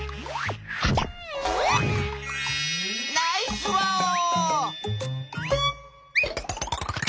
ナイスワオ！